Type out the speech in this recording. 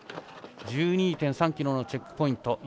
１２．３ｋｍのチェックポイント。